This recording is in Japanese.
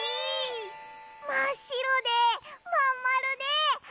まっしろでまんまるであとあと！